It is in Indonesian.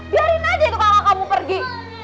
biarin aja itu kakak kamu pergi